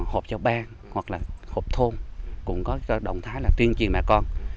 họp cho bang hoặc là hộp thôn cũng có động thái là tuyên truyền bà con